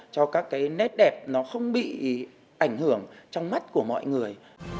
cho các cái nét đẹp nó không bị ảnh hưởng trong mắt của mọi người